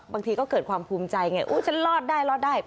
บางทีก็เกิดความภูมิใจไงอุ๊ยฉันรอดได้รอดได้